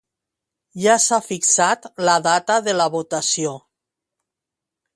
Ja s'ha fixat la data de la votació.